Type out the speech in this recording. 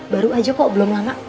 baru aja kok belum lama